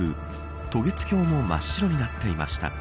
渡月橋も真っ白になっていました。